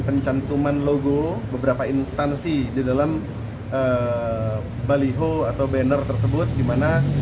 pencantuman logo beberapa instansi di dalam baliho atau banner tersebut dimana